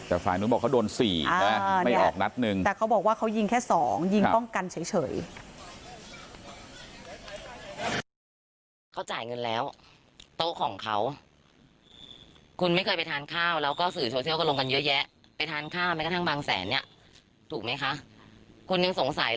แต่ฝ่ายนึกบอกเขาโดน๔นะไม่ออกนัดนึง